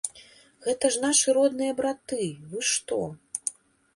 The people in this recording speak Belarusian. Гэта ж нашы родныя браты, вы што.